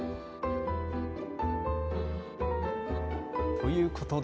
ということで。